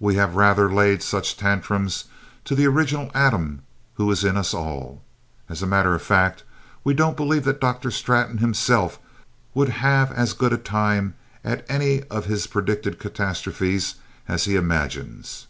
We have rather laid such tantrums to the original Adam who is in us all. As a matter of fact, we don't believe that Dr. Straton himself would have as good a time at any of his predicted catastrophes as he imagines.